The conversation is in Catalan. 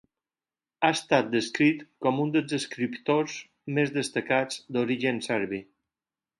Ha estat descrit com un dels escriptors més destacats d'origen serbi.